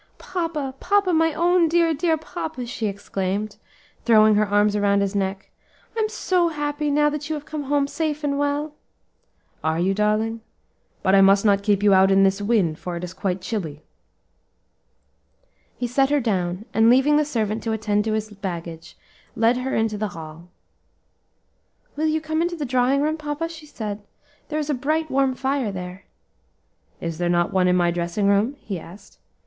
"Papa, papa, my own dear, dear papa!" she exclaimed, throwing her arms around his neck, "I'm so happy, now that you have come home safe and well." "Are you, darling? but I must not keep you out in this wind, for it is quite chilly." He set her down, and leaving the servant to attend lo his baggage, led her into the hall. "Will you come into the drawing room, papa?" she said; "there is a bright, warm fire there." "Is there not one in my dressing room?" he asked.